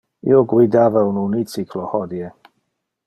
Io guidava un unicyclo hodie.